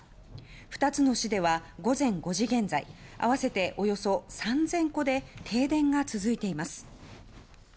２つの市では午前５時現在合わせておよそ３０００戸で停電が続いています。